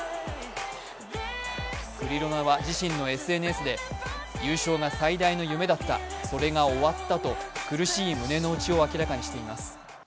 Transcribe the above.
クリロナは自身のＳＮＳで優勝が最大の夢だった、それが終わったと苦しい胸の内を明らかにしています。